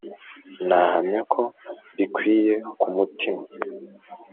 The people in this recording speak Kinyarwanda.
nahamya ko mbikwiye ku mutima